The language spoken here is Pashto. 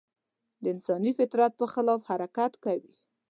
د انساني فطرت په خلاف حرکت کوي.